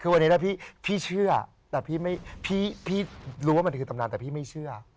คือวันนี้นะพี่เชื่อแต่พี่รู้ว่ามันคือตำนานแต่พี่ไม่เชื่อ